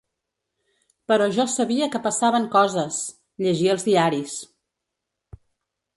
Però jo sabia que passaven coses, llegia els diaris.